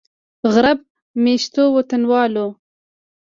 غرب میشتو وطنوالو